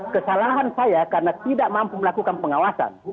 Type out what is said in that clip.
kesalahan saya karena tidak mampu melakukan pengawasan